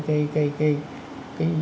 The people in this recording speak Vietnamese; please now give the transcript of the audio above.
cái cái cái cái